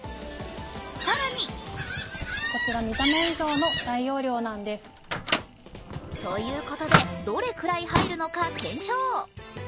更にということで、どれくらい入るのか検証。